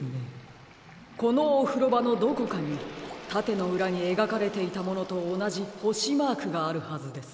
このおふろばのどこかにたてのうらにえがかれていたものとおなじほしマークがあるはずです。